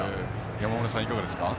山村さんはいかがですか？